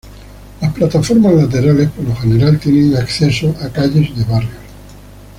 Las plataformas laterales por lo general tienen acceso a calles de barrios.